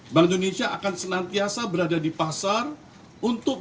pertama bank indonesia akan senantiasa berusaha mengembangkan kebijakan rupiah